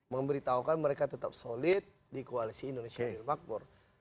memberitahukan mereka tetap solid di koalisi indonesia adil makmur